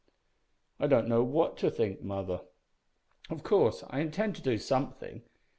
"I don't know what to think, mother. Of course I intend to do something.